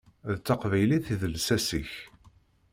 D taqbaylit i d lsas-ik.